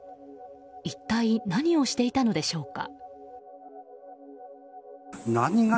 一体、何をしていたのでしょうか。